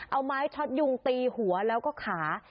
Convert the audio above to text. เอาไม้ช็อตยุงตีหัวแล้วก็ขา